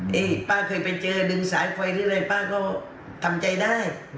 ๊าแป๊บเคยไปเจอดึงสายไฟรึเปล่า๊าก็ทำใจได้